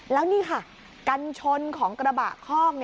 แล้วนี่ค่ะกันชนของกระบะคอก